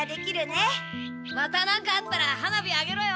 またなんかあったら花火あげろよ。